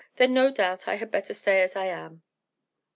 "Then no doubt I had better stay as I am."